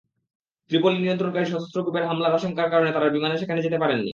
Tripoli নিয়ন্ত্রণকারী সশস্ত্র গ্রুপের হামলার আশঙ্কার কারণে তাঁরা বিমানে সেখানে যেতে পারেননি।